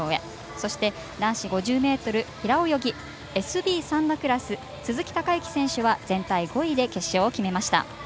そして、男子５０ｍ平泳ぎＳＢ３のクラス鈴木孝幸選手は全体５位で決勝を決めました。